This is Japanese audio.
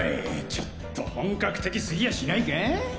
ちょっと本格的すぎやしないか？